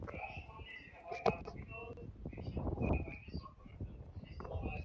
রান্না মনে হয় হয়ে গেছে, বাবা।